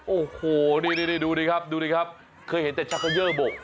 โอ้โหนี่ดูดิครับเคยเห็นแต่ชะเคย่อบก